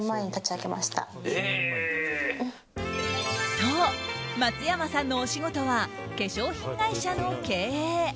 そう、松山さんのお仕事は化粧品会社の経営。